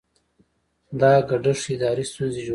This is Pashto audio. دا ګډښت اداري ستونزې جوړوي.